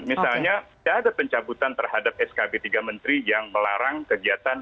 misalnya tidak ada pencabutan terhadap skb tiga menteri yang melarang kegiatan